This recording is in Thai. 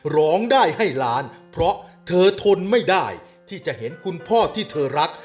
ร้องได้ให้ล้านเพราะเธอทนไม่ได้ที่จะเห็นคุณพ่อที่เธอรัก